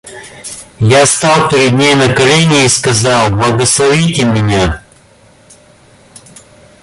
Я стал перед ней на колени и сказал: — Благословите меня.